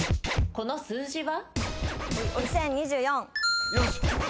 この数字は？